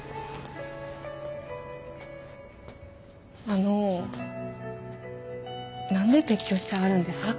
あの何で別居してはるんですか？